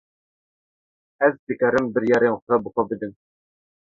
Ez dikarim biryarên xwe bi xwe bidim.